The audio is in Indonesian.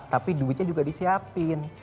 tapi duitnya juga disiapin